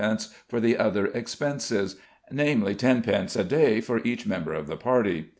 for the other expenses, namely 10d. a day for each member of the party.